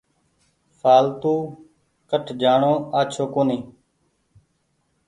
ڦآلتو ڪٺ جآڻو آڇو ڪونيٚ۔